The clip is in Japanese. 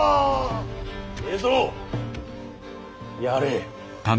やれ。